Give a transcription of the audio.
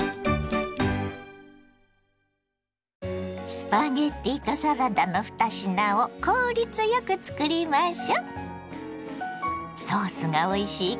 スパゲッティとサラダの２品を効率よくつくりましょ。